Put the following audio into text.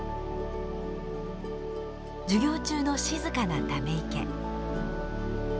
授業中の静かなため池。